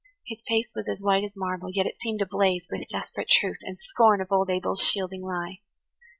His face was as white as marble, yet it seemed ablaze [Page 90] with desperate truth and scorn of old Abel's shielding lie.